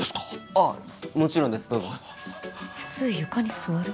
ああもちろんですどうぞ普通床に座る？